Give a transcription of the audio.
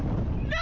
何？